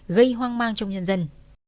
gây hoang mang trong nhân dân